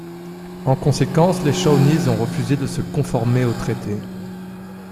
En conséquence, les Shawnees ont refusé de se conformer au traité.